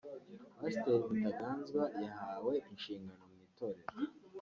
Pasiteri Mutaganzwa yahawe inshingano mu itorero